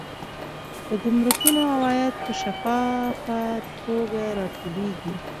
د ګمرکونو عواید په شفافه توګه راټولیږي.